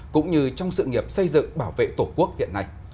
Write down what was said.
cũng như trong sự nghiệp xây dựng bảo vệ tổ quốc hiện nay